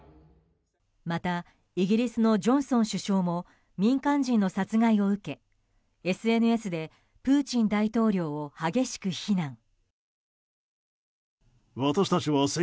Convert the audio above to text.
またイギリスのジョンソン首相も民間人の殺害を受けＳＮＳでプーチン大統領を激しく非難。